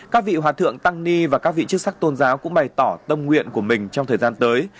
các vị hòa thượng tăng ni và các vị chức sắc tôn giáo cũng bày tỏ tâm nguyện của mình trong thời gian tới